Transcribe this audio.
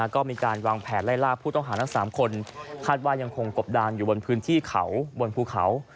ก็มีการวางแผนไล่ล่าผู้ต้องหาทั้ง๓คนคาดว่ายังคงกบดานอยู่บนพื้นที่เขาบนภูเขา